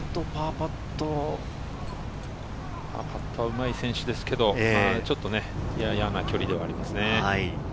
パットはうまい選手ですが、嫌な距離ではありますね。